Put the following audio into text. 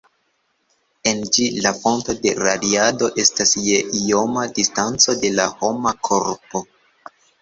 En ĝi la fonto de radiado estas je ioma distanco de la homa korpo.